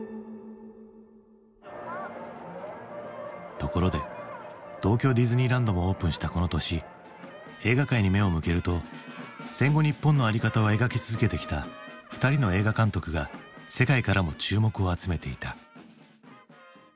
ところで東京ディズニーランドもオープンしたこの年映画界に目を向けると戦後日本の在り方を描き続けてきた２人の映画監督が世界からも注目を集めていた。